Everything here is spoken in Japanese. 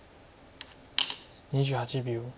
２８秒。